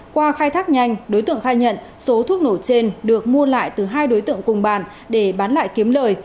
qua khai thác nhanh đối tượng khai nhận số thuốc nổ trên được mua lại từ hai đối tượng cùng bàn để bán lại kiếm lời